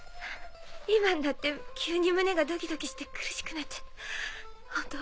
今になって急に胸がドキドキして苦しくなっちゃった。